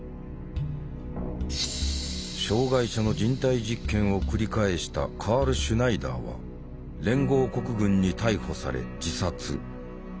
障害者の人体実験を繰り返したカール・シュナイダーは連合国軍に逮捕され自殺。